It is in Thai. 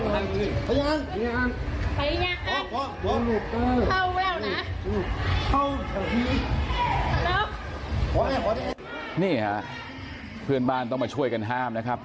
นี่ค่ะเพื่อนบ้านต้องมาช่วยกันห้ามนะครับ